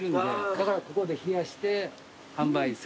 だからここで冷やして販売するっていう形。